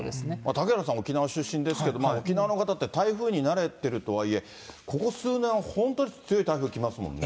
嵩原さん、沖縄出身ですけれども、沖縄の方って台風に慣れているとはいえ、ここ数年は、本当に強い台風、来ますもんね。